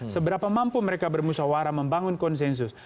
seberapa mampu mereka bermusawara membangun konsensus